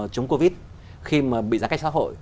chống covid khi mà bị giãn cách xã hội